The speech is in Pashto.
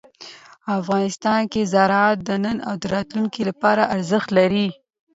افغانستان کې زراعت د نن او راتلونکي لپاره ارزښت لري.